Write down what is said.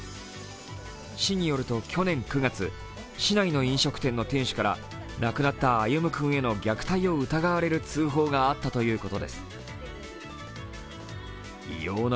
市によると去年９月、市内の飲食店の店主から亡くなった歩夢君への虐待を疑われる通報があったということです。